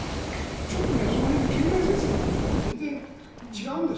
ちょっとその辺で経済政策が元々全然違うんです。